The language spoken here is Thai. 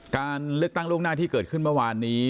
การเลือกตั้งล่วงหน้าที่เกิดขึ้นเมื่อวานนี้